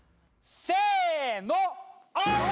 せのオープン！